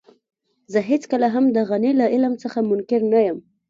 زه هېڅکله هم د غني له علم څخه منکر نه يم.